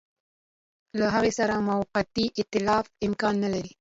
له هغه سره موقتي ایتلاف امکان نه لري.